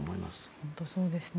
本当にそうですね。